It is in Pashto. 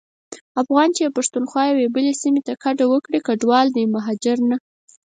افغان چي د پښتونخوا یوې بلي سيمي ته کډه وکړي کډوال دی مهاجر نه.